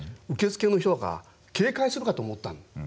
受付の人が警戒するかと思った。